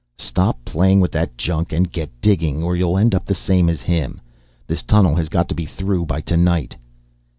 "Stop playing with that junk and get digging or you'll end up the same as him. This tunnel has gotta be through by tonight."